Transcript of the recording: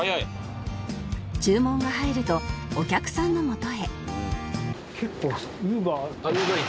注文が入るとお客さんのもとへ